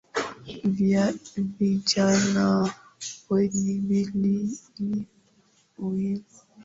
Vijana wenye bidii ni muhimu